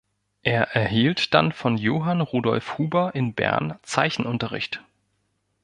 Er erhielt dann von Johann Rudolf Huber in Bern Zeichenunterricht.